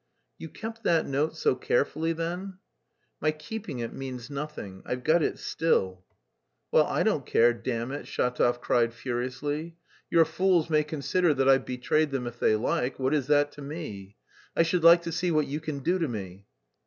"You kept that note so carefully then?" "My keeping it means nothing; I've got it still." "Well, I don't care, damn it!" Shatov cried furiously. "Your fools may consider that I've betrayed them if they like what is it to me? I should like to see what you can do to me?"